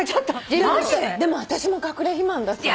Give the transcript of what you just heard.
でも私も隠れ肥満だと思う。